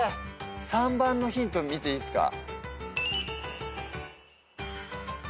３番のヒント見ていいっすか？